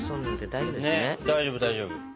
大丈夫大丈夫。